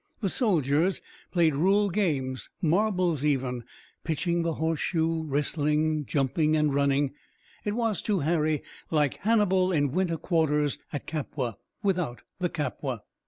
The soldiers played rural games, marbles even, pitching the horseshoe, wrestling, jumping and running. It was to Harry like Hannibal in winter quarters at Capua, without the Capua.